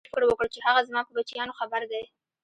ښاغلي ربیټ فکر وکړ چې هغه زما په بچیانو خبر دی